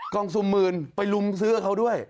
องซุมหมื่นไปลุมซื้อกับเขาด้วย